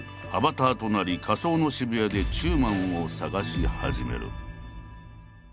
アバターとなり仮想の渋谷で中馬を探し始める。